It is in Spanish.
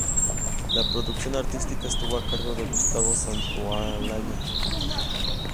La producción artística estuvo a cargo de Gustavo Santaolalla.